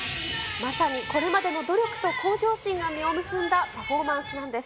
まさにこれまでの努力と向上心が実を結んだパフォーマンスなんです。